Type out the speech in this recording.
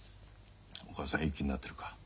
お母さんいい気になってるか？